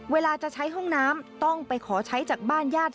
เวลาจะใช้ห้องน้ำต้องไปขอใช้จากบ้านญาติ